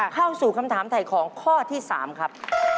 เข้าสู่คำถามถ่ายของข้อที่๓ครับ